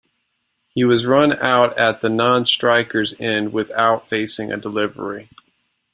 He was run out at the non-striker's end without facing a delivery.